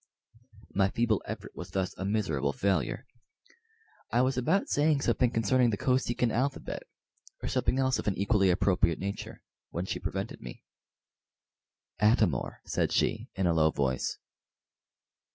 My feeble effort was thus a miserable failure. I was about saying something concerning the Kosekin alphabet or something else of an equally appropriate nature, when she prevented me. "Atam or," said she, in a low voice.